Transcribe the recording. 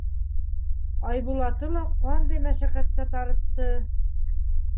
Айбулаты ла ҡандай мәшәҡәткә тарытты.